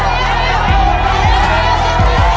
ของเรา